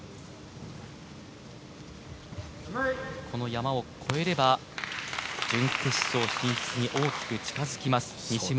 この山を越えれば準決勝進出に大きく近付きます、西村。